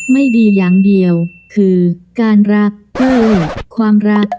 ไม่ดีอย่างเดียวคือการรักเธอความรัก